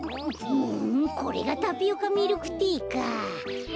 ふんこれがタピオカミルクティーか。